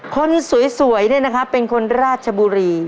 คนสวยเนี่ยนะครับเป็นคนราชบุรี